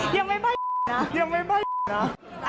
ยังไม่บ้านะ